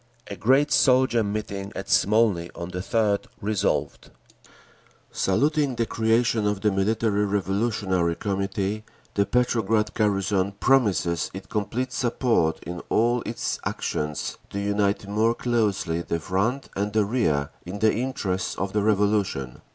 A great soldier meeting at Smolny on the 3d resolved: Saluting the creation of the Military Revolutionary Committee, the Petrograd garrison promises it complete support in all its actions, to unite more closely the front and the rear in the interests of the Revolution.